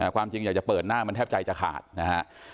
ความจริงอยากจะเปิดหน้ามันแทบใจจะขาดนะฮะ